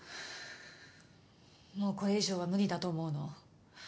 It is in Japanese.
もうこれ以上は無理だと思うの。